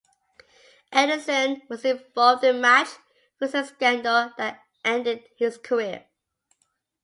Anderson was involved in a match fixing scandal that ended his career.